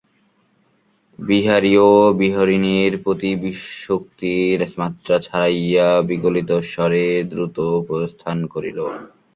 বিহারীও বিনোদিনীর প্রতি ভক্তির মাত্রা চড়াইয়া বিগলিতহৃদয়ে দ্রুত প্রস্থান করিল।